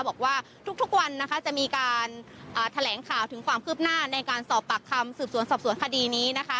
บอกว่าทุกวันนะคะจะมีการแถลงข่าวถึงความคืบหน้าในการสอบปากคำสืบสวนสอบสวนคดีนี้นะคะ